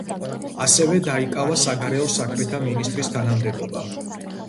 ასევე დაიკავა საგარეო საქმეთა მინისტრის თანამდებობა.